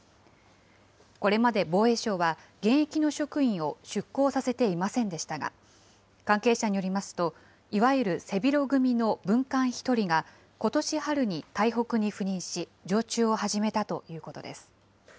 これまで防衛省は、現役の職員を出向させていませんでしたが、関係者によりますと、いわゆる背広組の文官１人が、ことし春に台北に赴任し、常駐を始めたということです。